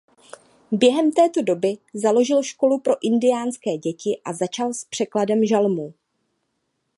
Během této doby založil školu pro indiánské děti a začal s překladem Žalmů.